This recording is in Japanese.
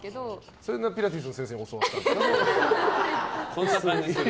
それもピラティスの先生に教わったんですね。